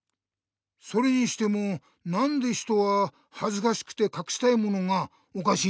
それにしてもなんで人ははずかしくてかくしたいものがおかしいんだろうね？